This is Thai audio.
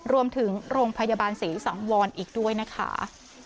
รวมถึงโรงพยาบาลศรีสังวรอีกด้วยนะคะ